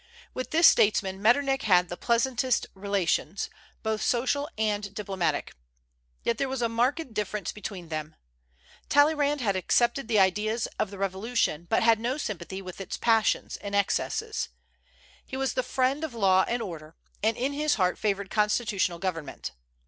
With this statesman Metternich had the pleasantest relations, both social and diplomatic. Yet there was a marked difference between them. Talleyrand had accepted the ideas of the Revolution, but had no sympathy with its passions and excesses. He was the friend of law and order, and in his heart favored constitutional government.